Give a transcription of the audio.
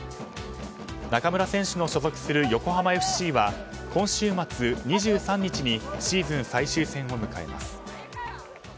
中村選手の所属する横浜ＦＣは今週末２３日にシーズン最終戦を迎えます。